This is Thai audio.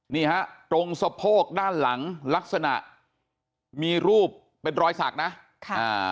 นี่ฮะตรงสะโพกด้านหลังลักษณะมีรูปเป็นรอยสักนะค่ะอ่า